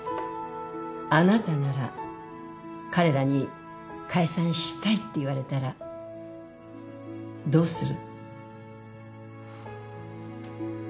あなたなら彼らに解散したいって言われたらどうする？